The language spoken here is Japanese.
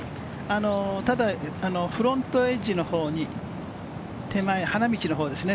ただフロントエッジの方に手前、花道のほうですね。